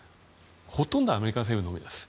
ほとんどアメリカ政府だと思います。